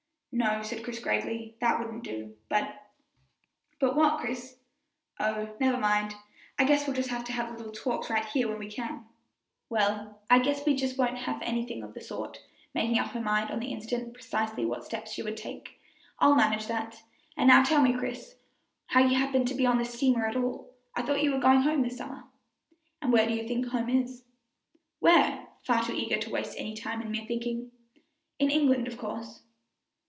"No," said Chris gravely, "that wouldn't do; but " "But what, Chris?" "Oh, never mind! I guess we'll just have to have little talks right here when we can." "Well, I guess we won't just have to have anything of the sort," making up her mind on the instant precisely what steps she would take. "I'll manage that; and now tell me, Chris, how you happen to be on this steamer at all. I thought you were going home this summer?" "And where do you think home is?" "Where?" far too eager to waste any time in mere thinking. "In England, of course."